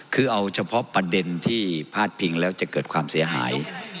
คือเอาเฉพาะประเด็นที่พาดพิงแล้วจะเกิดความเสียหาย